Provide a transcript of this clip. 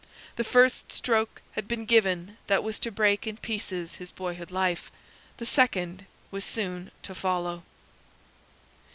The first stroke had been given that was to break in pieces his boyhood life the second was soon to follow.